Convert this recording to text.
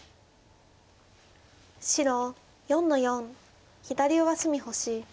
白４の四左上隅星。